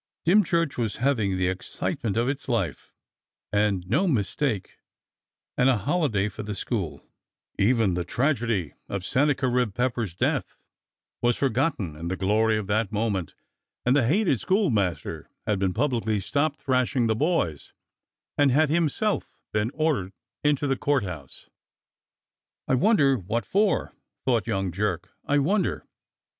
Dymchurch was having the excitement of its life, and no mistake, and a holiday for the school, even the tragedy of Sennacherib Pepper's death, was forgotten in the glory of that moment, and the hated schoolmaster had been publicly stopped thrashing the boys and had himself been ordered into the Court House. "I wonder what for.^^" thought young Jerk. "I wonder